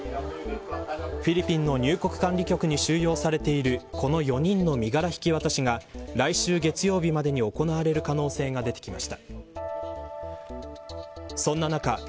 フィリピンの入国管理局に収容されているこの４人の身柄引き渡しが来週、月曜日までに行われる可能性が出てきました。